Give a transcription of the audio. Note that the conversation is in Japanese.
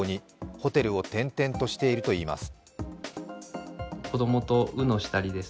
ホテルを転々としているといいます。